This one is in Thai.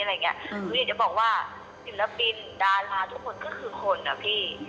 หนูอยากจะบอกว่าศิลปินดาราทุกคนก็คือคนอะพี่